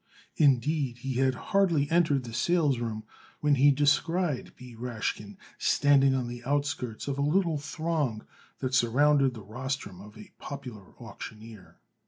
Indeed, he had hardly entered the salesroom when he descried B. Rashkin standing on the outskirts of a little throng that surrounded the rostrum of a popular auctioneer.